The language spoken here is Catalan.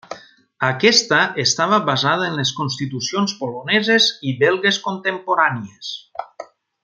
Aquesta estava basada en les constitucions poloneses i belgues contemporànies.